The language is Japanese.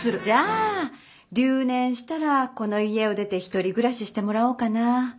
じゃあ留年したらこの家を出て１人暮らししてもらおうかなぁ。